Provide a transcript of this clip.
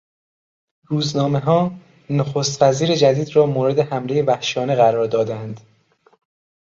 روزنامهها نخستوزیر جدید را مورد حملهی وحشیانه قرار دادند.